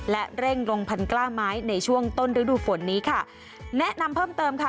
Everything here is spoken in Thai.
และเร่งลงพันกล้าไม้ในช่วงต้นฤดูฝนนี้ค่ะแนะนำเพิ่มเติมค่ะ